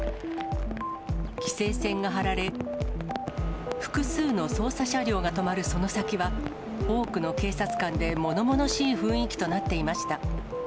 規制線が張られ、複数の捜査車両が止まるその先は、多くの警察官でものものしい雰囲気となっていました。